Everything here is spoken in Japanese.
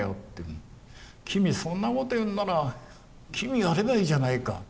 君そんなこと言うんなら君やればいいじゃないか。